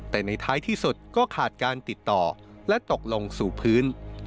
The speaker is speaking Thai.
แต่ในท้ายที่สุดก็ขาดการติดต่อและตกลงสู่พื้น